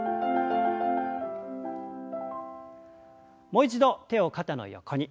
もう一度手を肩の横に。